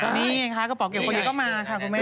ใช่นี่ไงค่ะกระเป๋าเก็บความเย็นก็มาค่ะคุณแม่